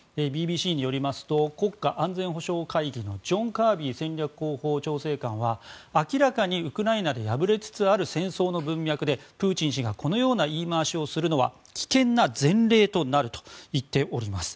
ＢＢＣによりますと国家安全保障会議のジョン・カービー戦略広報調整官は明らかにウクライナで敗れつつある戦争の文脈でプーチン氏がこのような言い回しをするのは危険な前例となるといっております。